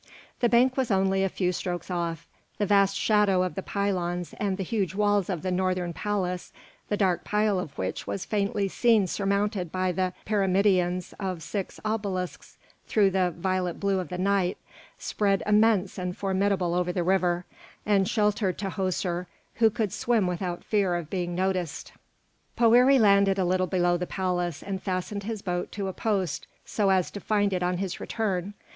The bank was only a few strokes off; the vast shadow of the pylons and the huge walls of the Northern Palace the dark pile of which was faintly seen surmounted by the pyramidions of six obelisks through the violet blue of the night spread immense and formidable over the river, and sheltered Tahoser, who could swim without fear of being noticed. Poëri landed a little below the palace and fastened his boat to a post so as to find it on his return.